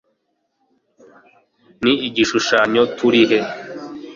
ni Igishushanyo Turihe